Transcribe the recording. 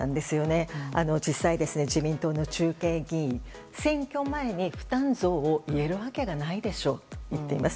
実際、自民党の中堅議員は選挙前に負担増を言えるわけないでしょと言っています。